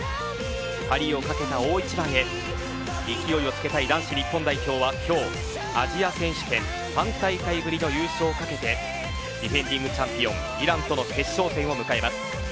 パリを懸けた大一番へ勢いをつけたい男子日本代表は今日アジア選手権３大会ぶりの優勝を懸けてディフェンディングチャンピオンイランとの決勝戦を迎えます。